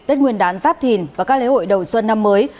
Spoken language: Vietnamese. tết nguyên đán giáp thìn và các lễ hội đầu xuân năm mới